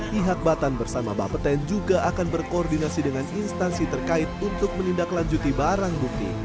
pihak batan bersama bapeten juga akan berkoordinasi dengan instansi terkait untuk menindaklanjuti barang bukti